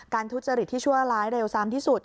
การทุจริตที่ชั่วร้ายในโลกสรามที่สุด